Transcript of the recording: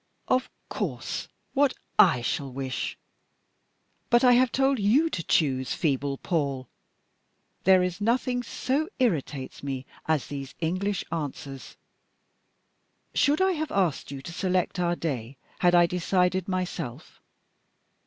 "Of course, what I shall wish! But I have told you to choose, feeble Paul! There is nothing so irritates me as these English answers. Should I have asked you to select our day had I decided myself?